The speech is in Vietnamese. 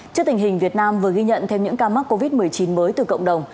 trước tình hình việt nam vừa ghi nhận thêm những ca mắc covid một mươi chín mới từ cộng đồng